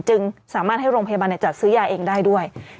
จึงสามารถให้โรงพยาบาลจัดซื้อยาเองได้ด้วย